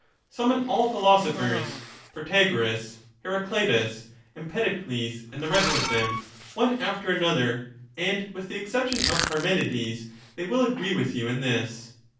Summon all philosophers — Protagoras, Hera cleitus, Empedocles, and the rest of them, one after another, and with the exception of Parmenides they will agree with you in this.